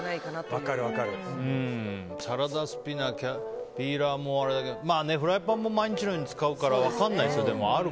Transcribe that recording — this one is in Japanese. サラダスピナーピーラーもあれだけどフライパンも毎日のように使うから分からないよ。